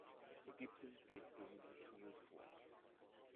Ägypten geht gegen die Tunnel vor.